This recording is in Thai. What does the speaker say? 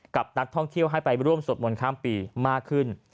กับนักท่องเที่ยวให้ไปร่วมสวดมนต์ข้ามปีมากขึ้น